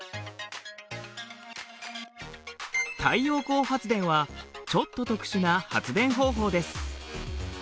太陽光発電はちょっと特殊な発電方法です。